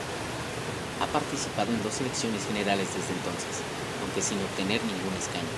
Ha participado en dos elecciones generales desde entonces, aunque sin obtener ningún escaño.